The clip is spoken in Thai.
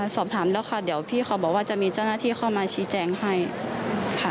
สอบถามแล้วค่ะเดี๋ยวพี่เขาบอกว่าจะมีเจ้าหน้าที่เข้ามาชี้แจงให้ค่ะ